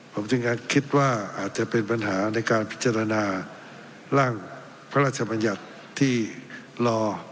ผมจึงคิดว่าอาจจะเป็นปัญหาในการพิจารณาร่างพระราชบัญญัติที่รอ